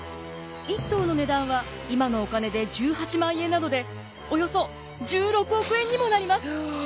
１頭の値段は今のお金で１８万円なのでおよそ１６億円にもなります。